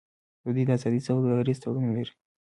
دوی د ازادې سوداګرۍ تړون لري.